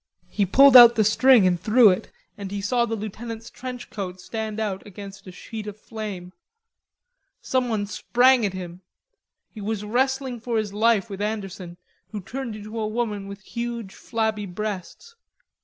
He pulled the string out and threw it, and he saw the lieutenant's trench coat stand out against a sheet of flame. Someone sprang at him. He was wrestling for his life with Anderson, who turned into a woman with huge flabby breasts.